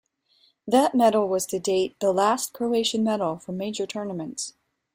That medal was to date the last Croatian medal from major tournaments.